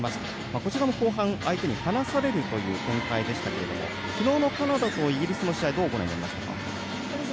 こちらも後半、相手に離されるという展開でしたけども昨日のカナダとイギリスの試合はどうご覧になりましたか？